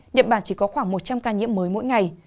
nhật bản chỉ có khoảng một trăm linh ca nhiễm mới mỗi ngày